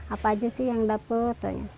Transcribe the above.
apa aja sih yang dapat